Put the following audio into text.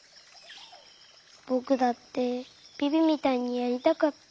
ぼくだってビビみたいにやりたかった。